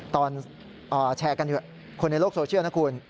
ตอนแชร์กันอยู่คนในโลกโซเชียลนะคุณ